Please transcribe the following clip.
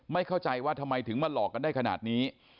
เข้าใจว่าทำไมถึงมาหลอกกันได้ขนาดนี้